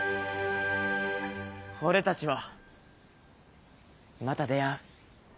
俺たちはまた出会う。